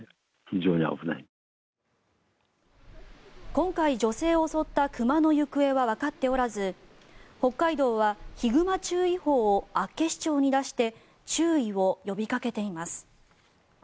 今回、女性を襲った熊の行方はわかっておらず北海道はヒグマ注意報を厚岸町に出して注意を呼びかけています。